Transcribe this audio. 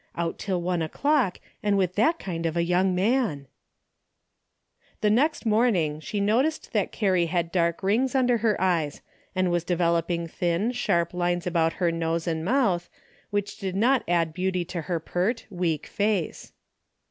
Out till one o'clock and with that kind of a young man !" The next morning she noticed that Carrie had dark rings under her eyes, and was devel DAILY BATE, 229 oping thin, sharp lines about her nose and mouth, which did not add beauty to her pert, weak face.